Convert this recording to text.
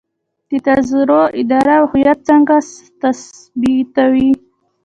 د تذکرو اداره هویت څنګه تثبیتوي؟